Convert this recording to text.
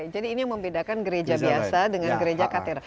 jadi ini yang membedakan gereja biasa dengan gereja katedra